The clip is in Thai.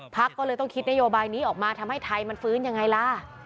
ก็เลยต้องคิดนโยบายนี้ออกมาทำให้ไทยมันฟื้นยังไงล่ะ